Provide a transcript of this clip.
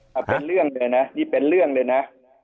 เอาเป็นเรื่องเลยนะนี่เป็นเรื่องเลยนะ